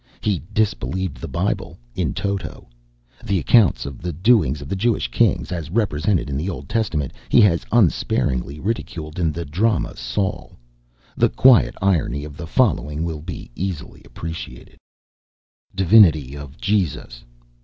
He disbelieved the Bible in toto. The accounts of the doings of the Jewish kings, as represented in the Old Testament, he has unsparingly ridiculed in the drama of "Saul." The quiet irony of the following will be easily appreciated: Divinity of Jesus.